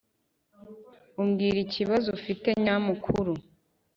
umbwira ikibabazo ufite nyamukuru